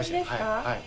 はい。